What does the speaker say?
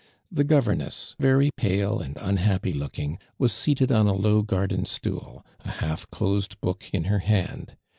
The gover ness, very pale aad unhappy looking, was seated on a low garden stool, a half closed book in her hand.